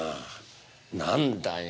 何だよ